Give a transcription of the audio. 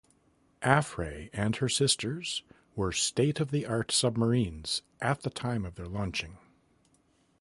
"Affray" and her sisters were state-of-the-art submarines at the time of their launching.